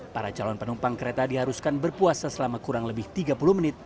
para calon penumpang kereta diharuskan berpuasa selama kurang lebih tiga puluh menit